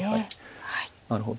なるほど。